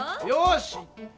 よし！